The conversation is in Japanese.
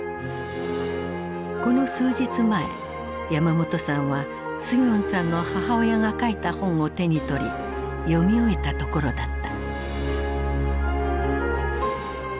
この数日前山本さんはスヒョンさんの母親が書いた本を手に取り読み終えたところだった。